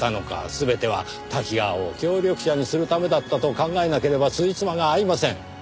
全ては瀧川を協力者にするためだったと考えなければつじつまが合いません。